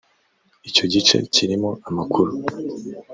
icyo gice kirimo amakuru